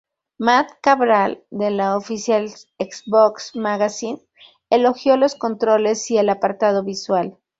Matt Cabral, de la "Official Xbox Magazine", elogió los controles y el apartado visual.